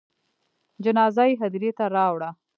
جنازه یې هدیرې ته راوړه.